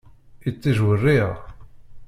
Iṭij werriɣ.